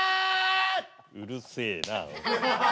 うるせえな。